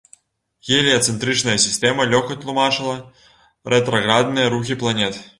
Геліяцэнтрычная сістэма лёгка тлумачыла рэтраградныя рухі планет.